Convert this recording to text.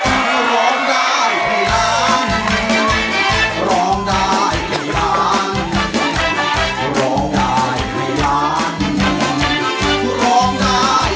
กว่าจะจบรายการเนี่ย๔ทุ่มมาก